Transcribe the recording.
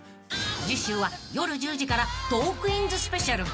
［次週は夜１０時から『トークィーンズ』スペシャル］